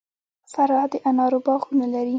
فراه د انارو باغونه لري